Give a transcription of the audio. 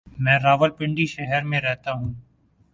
میں راولپنڈی شہر میں رہتا ہوں۔